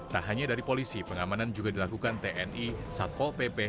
tak hanya dari polisi pengamanan juga dilakukan tni satpol pp